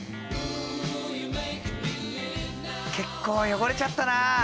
結構汚れちゃったな。